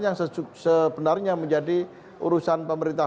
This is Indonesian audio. yang sebenarnya menjadi urusan pemerintah